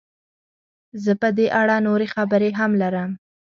زه په دې اړه نورې خبرې هم لرم.